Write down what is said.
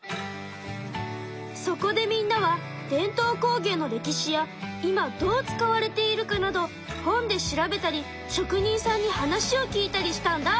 そこでみんなは伝統工芸の歴史や今どう使われているかなど本で調べたり職人さんに話を聞いたりしたんだ。